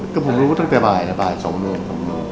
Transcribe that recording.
ก็ผมรู้ตั้งแต่บ่ายสองโมงสองโมง